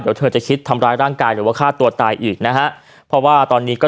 เดี๋ยวเธอจะคิดทำร้ายร่างกายหรือว่าฆ่าตัวตายอีกนะฮะเพราะว่าตอนนี้ก็